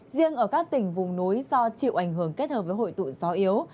riêng ở các tỉnh vùng núi do chịu ảnh hưởng kết hợp với hội tụ gió yếu